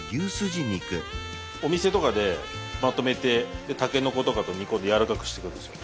お店とかでまとめてタケノコとかと煮込んで柔らかくしてくるんですよ。